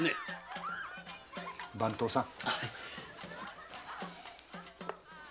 番頭さん。